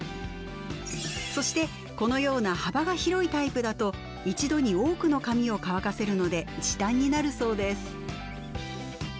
そしてこのような幅が広いタイプだと一度に多くの髪を乾かせるので時短になるそうです。